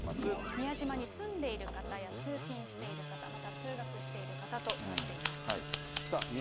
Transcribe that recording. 宮島に住んでいる方や通勤している方、また通学している方となっています。